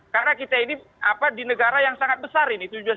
karena kita ini di negara yang sangat besar ini